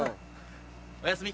おやすみ。